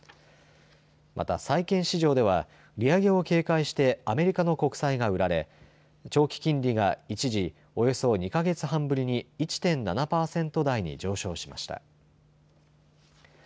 また債券市場では利上げを警戒してアメリカの国債が売られ、長期金利が一時、およそ２か月半ぶりに１．７％台に上昇しました。